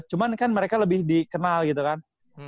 cuman kan mereka lebih dikenal gitu kan